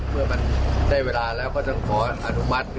เมื่อมันได้เวลาแล้วก็ต้องขออนุมัติ